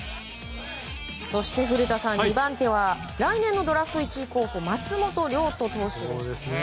そして古田さん２番手は来年のドラフト１位候補松本凌人投手でしたね。